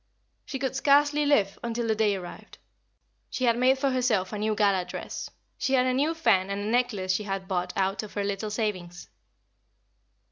She could scarcely live until the day arrived. She had made for herself a new gala dress; she had a new fan and a necklace she had bought out of her little savings.